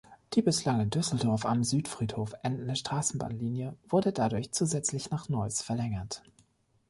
Die bislang in Düsseldorf am Südfriedhof endende Straßenbahnlinie wurde dadurch zusätzlich nach Neuss verlängert.